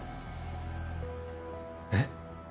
えっ。